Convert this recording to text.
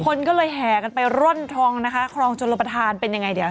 คนก็เลยแห่กันไปร่อนทองนะคะคลองชนระประธานเป็นยังไงเดี๋ยว